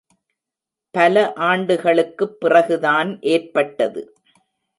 பல ஆண்டுகளுக்குப் பிறகுதான் ஏற்பட்டது.